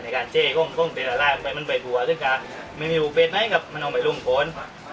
ในการเจ้ก็ต้องไปตัวไล่ไปมันไปตัวซึ่งการไม่มีผูกเบ็ดไหมครับมันเอาไปลงผล